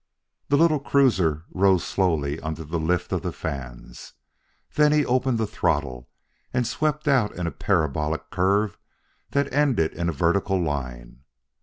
The little cruiser rose slowly under the lift of the fans; then he opened the throttle and swept out in a parabolic curve that ended in a vertical line.